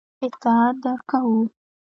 اطلاعات درکوو.